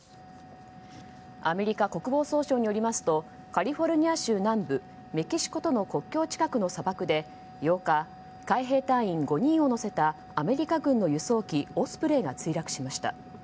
アメリカ国防総省によりますとカリフォルニア州南部メキシコとの国境近くの砂漠で８日海兵隊員５人を乗せたアメリカ軍の輸送機オスプレイが墜落しました。